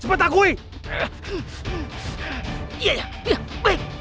cepat aku akan menang